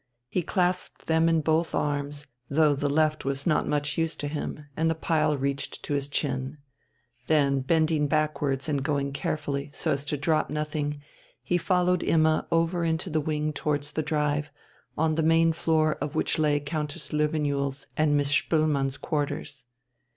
He clasped them in both arms, though the left was not much use to him, and the pile reached to his chin. Then, bending backwards and going carefully, so as to drop nothing, he followed Imma over into the wing towards the drive, on the main floor of which lay Countess Löwenjoul's and Miss Spoelmann's quarters.